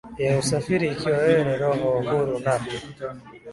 ya usafiri Ikiwa wewe ni roho huru na